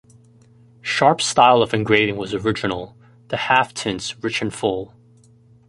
Sharp's style of engraving was original, the half-tints rich and full.